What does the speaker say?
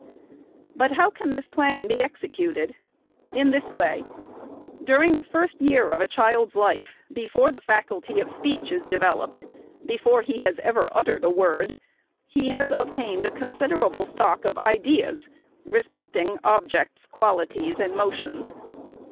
But how can this plan be executed ? In this way. During the first year of a child's life, before the faculty of speech is developed, — before he has ever uttered a word, — he has obtained a considerable stock of ideas re specting objects, qualities, and motions.